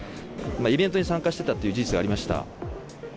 イベントに参加してたっていう事実がありました。